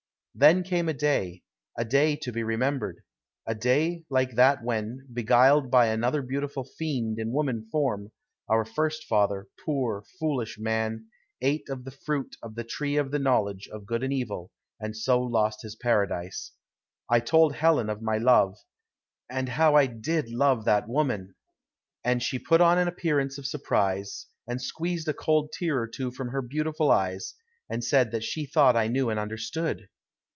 Then came a day, a day to be remembered; a day like that when, beguiled by another beautiful fiend in woman form, our first father, poor, foolish man, ate of the fruit of the tree of the knowledge of good and evil, and so lost his paradise. I told Helen of my love; and how I did love that woman! And she put on an appearance of surprise, and squeezed a cold tear or two from her beautiful eyes, and said that she thought I knew and understood.